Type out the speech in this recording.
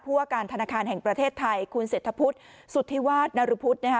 ว่าการธนาคารแห่งประเทศไทยคุณเศรษฐพุทธสุธิวาสนรพุทธนะคะ